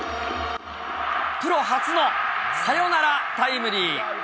プロ初のサヨナラタイムリー。